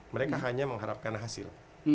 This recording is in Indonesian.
mereka hanya mengharapkan hasil